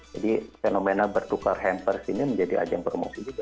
jadi fenomena bertukar hampers ini menjadi ajang promosi juga